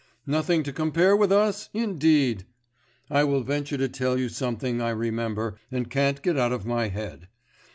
Nothing to compare with us, indeed! I will venture to tell you some thing I remember, and can't get out of my head.